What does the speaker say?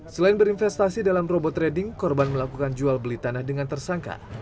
selain berinvestasi dalam robot trading korban melakukan jual beli tanah dengan tersangka